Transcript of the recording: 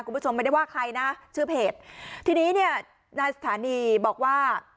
คุณผู้ชมไม่ได้ว่าใครนะชื่อเพจทีนี้เนี่ยนายสถานีบอกว่า